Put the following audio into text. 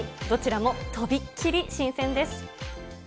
どちらもとびっきり新鮮です。